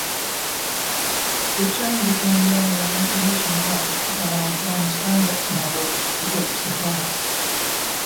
The term became well-known nationwide by John Steinbeck's novel The Grapes of Wrath.